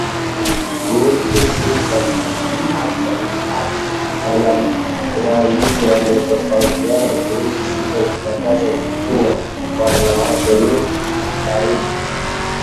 kuhusu sifa hasi waandishi wametofautiana kuhusu sifa zifuatazo: kuwa mwanamke ni mkaidi